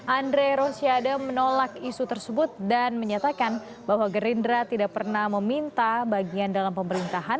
andre rosiade menolak isu tersebut dan menyatakan bahwa gerindra tidak pernah meminta bagian dalam pemerintahan